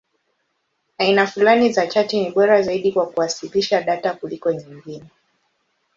Aina fulani za chati ni bora zaidi kwa kuwasilisha data kuliko nyingine.